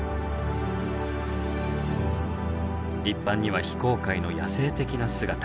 一般には非公開の野性的な姿。